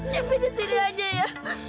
cebi disini aja ya